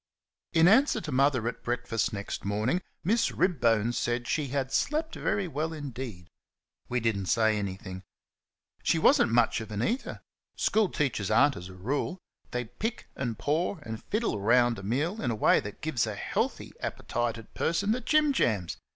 In answer to Mother at breakfast, next morning, Miss Ribbone said she had "slept very well indeed." We did n't say anything. She was n't much of an eater. School teachers are n't as a rule. They pick, and paw, and fiddle round a meal in a way that gives a healthy appetited person the jim jams.